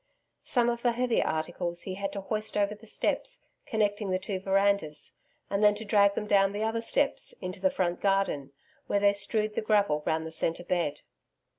Some of the heavier articles he had to hoist over the steps connecting the two verandas, and then to drag them down the other steps into the front garden, where they strewed the gravel round the centre bed.